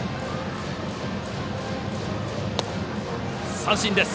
三振です。